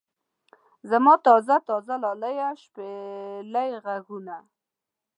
زما تازه تازه لاليه شپېلۍ غږونه.